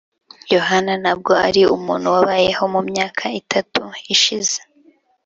] yohana ntabwo ari umuntu wabayeho mu myaka itatu ishize.